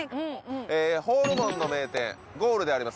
ホルモンの名店ゴールであります